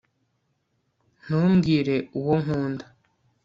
ntumbwire uwo nkunda